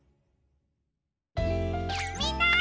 みんな！